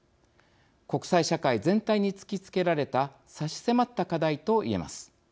国際社会全体に突きつけられた差し迫った課題と言えます。